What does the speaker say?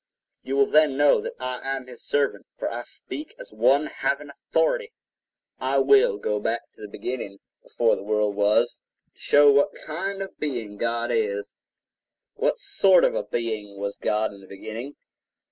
You will then know that I am his servant; for I speak as one having authority. God an Exalted Man[edit] I will go back to the beginning before the world was, to show what kind of being God is. What sort of a being was God in the beginning?